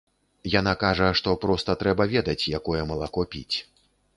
Яна кажа, што проста трэба ведаць, якое малако піць.